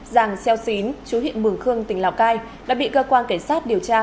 giàng xeo xín chú huyện mường khương tỉnh lào cai đã bị cơ quan cảnh sát điều tra